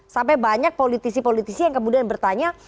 sampai banyak politisi politisi yang kemudian bertanya